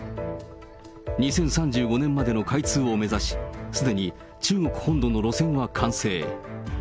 ２０３５年までの開通を目指し、すでに中国本土の路線は完成。